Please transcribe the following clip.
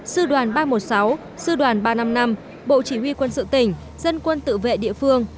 sư đoàn ba trăm một mươi sáu sư đoàn ba trăm năm mươi năm bộ chỉ huy quân sự tỉnh dân quân tự vệ địa phương